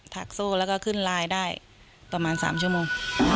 ถักโซ่แล้วก็ขึ้นลายได้ประมาณสามชั่วโมง